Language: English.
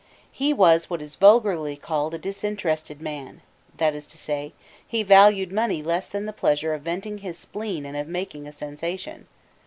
He was what is vulgarly called a disinterested man; that is to say, he valued money less than the pleasure of venting his spleen and of making a sensation.